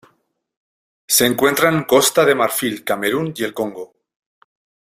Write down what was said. Se encuentra en Costa de Marfil Camerún y el Congo.